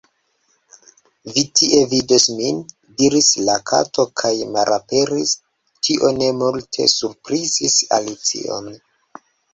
"Vi tie vidos min," diris la Kato kaj malaperis! Tio ne multe surprizis Alicion.